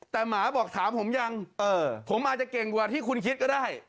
แต่หมาบอกถามผมยังผมอาจจะเก่งกว่าที่คุณคิดก็ได้